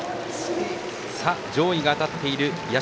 上位が当たっている社